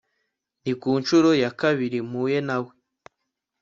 Ni ku nshuro ya kabiri mpuye na we